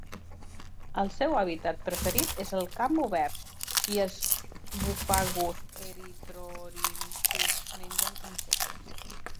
El seu hàbitat preferit és en camp obert, i els Buphagus erythrorynchus mengen insectes.